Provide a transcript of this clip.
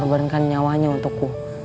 dan mengorbankan nyawanya untukku